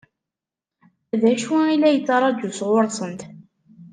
D acu i la yettṛaǧu sɣur-sent?